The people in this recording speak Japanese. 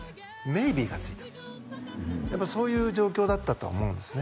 「メイビー」が付いたやっぱそういう状況だったとは思うんですね